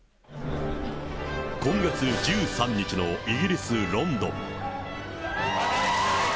今月１３日のイギリス・ロンドン。